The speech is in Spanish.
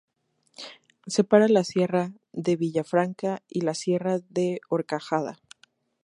Separa la sierra de Villafranca y la sierra de la Horcajada.